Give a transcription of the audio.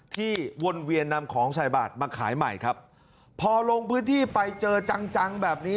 วนเวียนนำของใส่บาทมาขายใหม่ครับพอลงพื้นที่ไปเจอจังจังแบบนี้